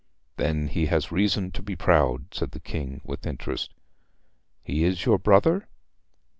'Then he has reason to be proud,' said the King with interest. 'He is your brother?'